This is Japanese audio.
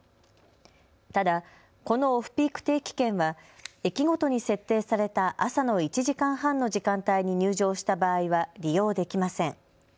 ただ、このオフピーク定期券は駅ごとに設定された朝の１時間半の時間帯に入場した場合は利用できません。